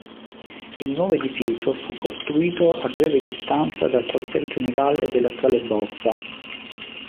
Il nuovo edificio fu costruito a breve distanza dal quartier generale dell'attuale borsa.